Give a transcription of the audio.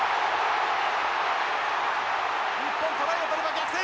日本トライを取れば逆転！